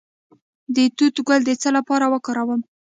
د توت ګل د څه لپاره وکاروم؟